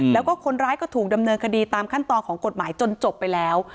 แล้วก็คนร้ายก็ถูกดำเนินคดีตามขั้นตอนของกฎหมายจนจบไปแล้ว